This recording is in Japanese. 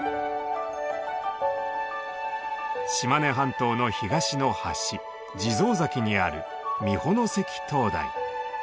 島根半島の東の端地蔵崎にある美保関灯台。